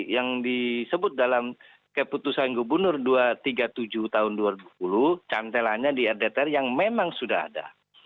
yang disebut dalam keputusan gubernur dua ratus tiga puluh tujuh tahun dua ribu cantelannya di rdtr yang memang sudah ada